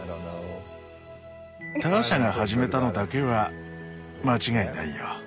ターシャが始めたのだけは間違いないよ。